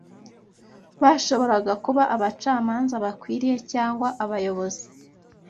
bashoboraga kuba abacamanza bakwiriye cyangwa abayobozi